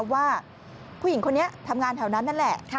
ว่าผู้หญิงคนนี้ทำงานแถวนั้นนั่นแหละ